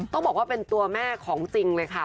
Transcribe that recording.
ต้องบอกว่าเป็นตัวแม่ของจริงเลยค่ะ